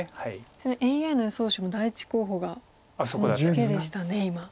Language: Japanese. ちなみにＡＩの予想手も第１候補がこのツケでしたね今。